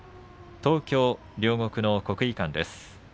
東京・両国の国技館です。